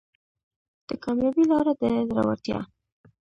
د کامیابۍ لاره د زړورتیا